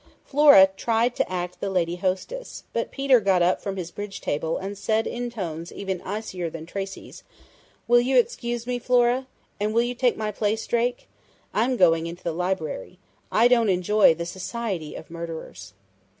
Flora tried to act the lady hostess, but Peter got up from his bridge table and said in tones even icier than Tracey's: 'Will you excuse me, Flora? And will you take my place, Drake?... I'm going into the library. I don't enjoy the society of murderers!'"